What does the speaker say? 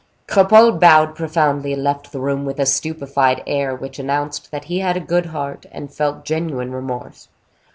Cropole bowed profoundly, and left the room with a stupefied air, which announced that he had a good heart, and felt genuine remorse.